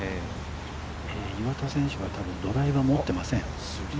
岩田選手は多分ドライバー持っていません。